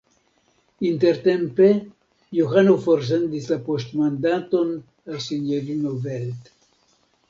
Intertempe Johano forsendis la poŝtmandaton al sinjorino Velt.